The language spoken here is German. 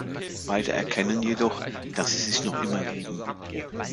Beide erkennen jedoch, dass sie sich noch immer lieben.